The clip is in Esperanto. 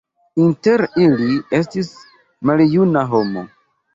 Inter ili estis maljuna homo.